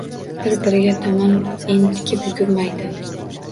Bir-biriga tomon entikib yugurmaydi.